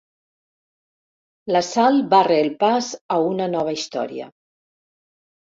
La Sal barra el pas a una nova història.